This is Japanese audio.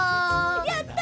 やった！